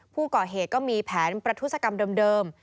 ผู้ก่อเหตุก็มีแผนประทุศกรรมเดิม